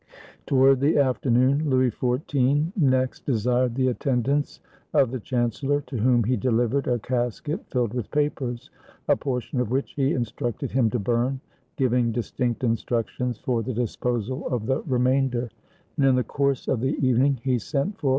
Toward the afternoon Louis XIV next desired the attendance of the chancellor, to whom he delivered a casket filled with papers, a portion of which he in structed him to burn, giving distinct instructions for the disposal of the remainder: and, in the course of the even ing, he sent for M.